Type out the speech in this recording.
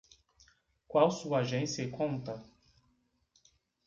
Qual sua agência e conta?